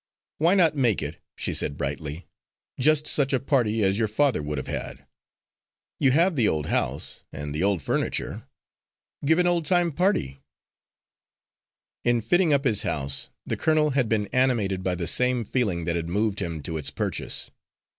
"Why not make it," she said brightly, "just such a party as your father would have had. You have the old house, and the old furniture. Give an old time party." In fitting up his house the colonel had been animated by the same feeling that had moved him to its purchase.